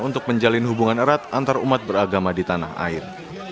untuk menjalin hubungan erat antarumat beragama di tanah air